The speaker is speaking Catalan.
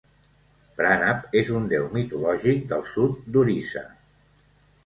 Pranab és un déu mitològic del sud d'Orissa.